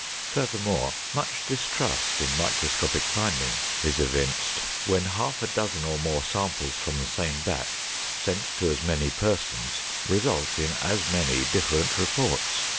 Furthermore, much distrust in microscopic finding is evinced when a half dozen or more samples from the same batch, sent to as many persons, result in as many different reports.